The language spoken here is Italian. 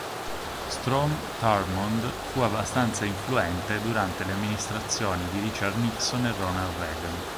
Strom Thurmond fu abbastanza influente durante le amministrazioni di Richard Nixon e Ronald Reagan.